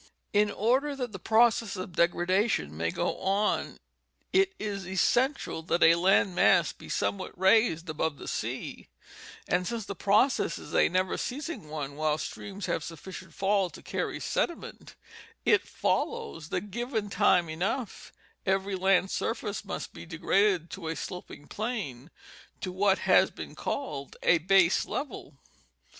In order that the process of degradation may go on it is essen tial that a land mass be somewhat raised above the sea, and, since the process is a never ceasing one while streams have suffi cient fall to carry sediment, it follows that, given time enough, every land surface must be degraded to a sloping plain, to what has been called a base level.